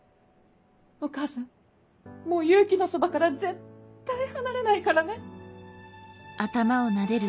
お母さんもう勇気のそばから絶対離れないからね。